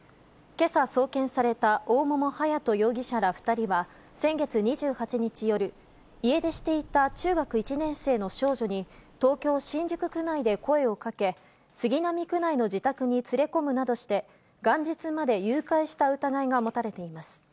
けさ送検された、大桃勇人容疑者ら２人は、先月２８日夜、家出していた中学１年生の少女に、東京・新宿区内で声をかけ、杉並区内の自宅に連れ込むなどして、元日まで誘拐した疑いが持たれています。